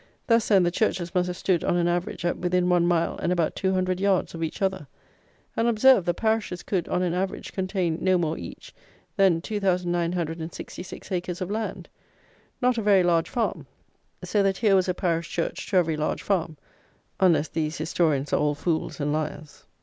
Thus, then, the churches must have stood, on an average, at within one mile and about two hundred yards of each other! And observe, the parishes could, on an average, contain no more, each, than 2,966 acres of land! Not a very large farm; so that here was a parish church to every large farm, unless these historians are all fools and liars.